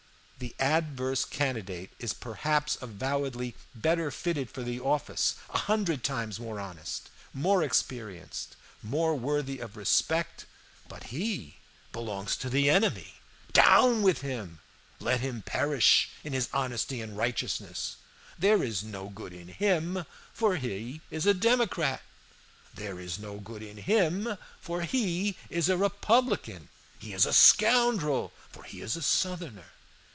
The adverse candidate is perhaps avowedly better fitted for the office, a hundred times more honest, more experienced, more worthy of respect. But he belongs to the enemy. Down with him! let him perish in his honesty and righteousness! There is no good in him, for he is a Democrat! There is no good in him, for he is a Republican! He is a scoundrel, for he is a Southerner!